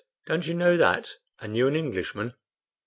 Don't you know that, and you an Englishman?"